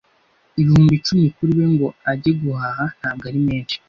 Ibihumbi icumi kuri we ngo ajye guhaha ntabwo ari menshi